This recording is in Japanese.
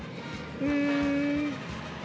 うん。